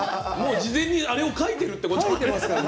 事前に、あれを書いてるってことですかね。